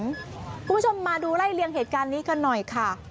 คุณผู้ชมมาดูไล่เลี่ยงเหตุการณ์นี้กันหน่อยค่ะ